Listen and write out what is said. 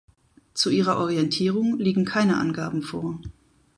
Zu ihrer Orientierung liegen keine Angaben vor.